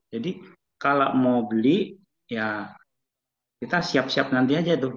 jadi kalau mau beli ya kita siap siap nanti aja tuh